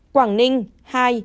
hai quảng ninh